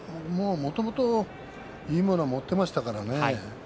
もともといいものを持っていましたからね。